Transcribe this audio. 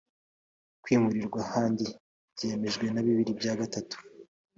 Kwimurirwa ahandi byemejwe na bibiri bya gatatu